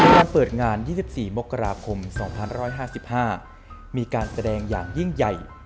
การเปิดงาน๒๔๒๕๒๕๕๕มีการแสดงอย่างยิ่งใหญ่